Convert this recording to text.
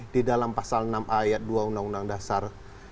di dalam pasal enam ayat dua undang undang dasar seribu sembilan ratus empat puluh lima